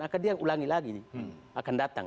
akan dia ulangi lagi akan datang